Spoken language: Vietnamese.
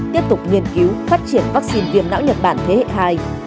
tiếp tục nghiên cứu phát triển vắc xin viêm não nhật bản thế hệ hai